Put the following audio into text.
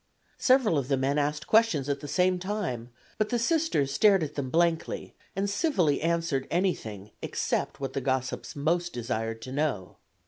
Several of the men asked questions at the same time, but the Sisters stared at them blankly, and civilly answered anything except what the gossips most desired to know.